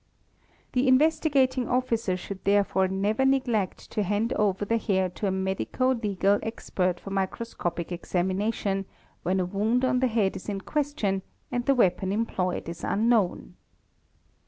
The Investigating Officer should therefore never neglect to hand over the hair to a medico legal expert for microscopic examination when a wound on the head is in question and the weapon employed is unknown.